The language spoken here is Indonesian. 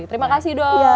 terima kasih dok